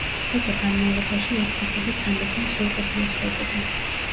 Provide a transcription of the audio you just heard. დროთა განმავლობაში ეს წესები თანდათან სრულყოფილი ხდებოდა.